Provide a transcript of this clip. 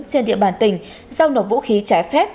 trên địa bàn tỉnh giao nộp vũ khí trái phép